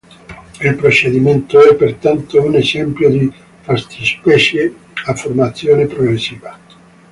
Il procedimento è pertanto un esempio di "fattispecie a formazione progressiva".